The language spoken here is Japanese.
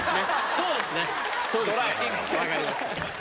そうですね分かりました。